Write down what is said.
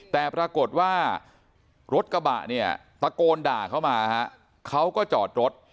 แต่ปรากฏว่ารถกระบะเนี่ยตะโกนด่าเขามาฮะเขาก็จอดรถ